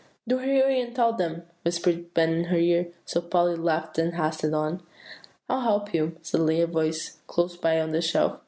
"Do hurry, and tell them," whispered Ben in her ear; so Polly laughed and hastened on. "'I'll help you,' suddenly said a voice close by on the shelf.